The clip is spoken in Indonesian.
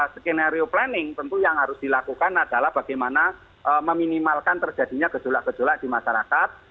skenario planning tentu yang harus dilakukan adalah bagaimana meminimalkan terjadinya gejolak gejolak di masyarakat